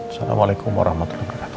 assalamualaikum warahmatullahi wabarakatuh